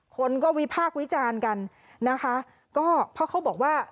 คนก็วิพากษ์วิจารณ์กันนะคะก็เพราะเขาบอกว่า